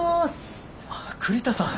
ああ栗田さん。